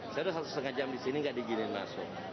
saya udah satu setengah jam disini gak diginin masuk